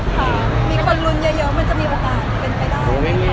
ค่ะมีคนรุนเยอะมันจะมีประกาศเป็นไปได้